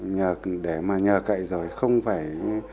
nhờ cậy rồi không phải